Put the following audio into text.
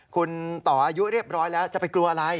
คุณต่ออายุเรียบร้อยแล้วจะไปกลัวอะไร